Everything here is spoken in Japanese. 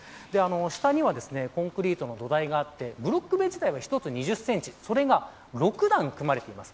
下には、コンクリートの土台があって、ブロック塀自体は１つ２０センチそれが６段組まれています。